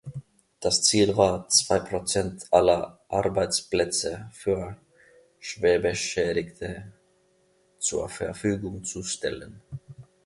Das Ziel war, zwei Prozent aller Arbeitsplätze für Schwerbeschädigte zur Verfügung zu stellen.